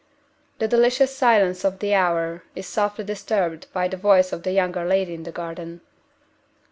The delicious silence of the hour is softly disturbed by the voice of the younger lady in the garden.